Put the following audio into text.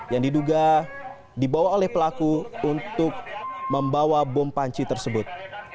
yang diduga dibawa oleh pelaku untuk membawa bom panci tersebut